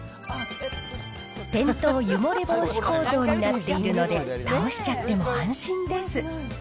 転倒湯漏れ防止構造になっているので、倒しちゃっても安心です。